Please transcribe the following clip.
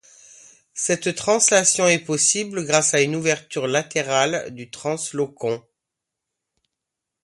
Cette translation est possible grâce à une ouverture latérale du translocon.